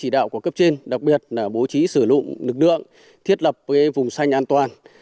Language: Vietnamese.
đạo của cấp trên đặc biệt là bố trí sửa lụng nước đường thiết lập vùng xanh an toàn